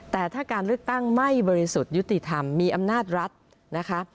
แต่ถ้าการเลือกตั้งไม่บริสุทธิ์ยุติธรรมมีอำนาจรัฐนะคะ